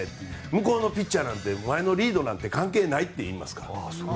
向こうのピッチャーなんてお前のリードなんて関係ないって言いますから。